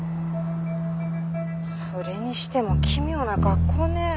それにしても奇妙な格好ね。